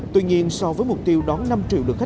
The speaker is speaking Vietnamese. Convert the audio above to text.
tuy nhiên so với mục tiêu đón năm triệu